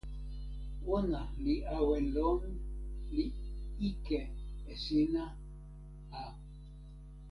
ona li awen lon, li ike e sina a.